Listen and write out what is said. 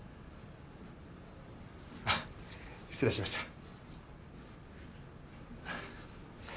あっ失礼しました。